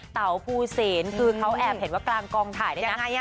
เต่าภูเซนคือเขาแอบเห็นว่ากลางกองถ่ายด้วยนะ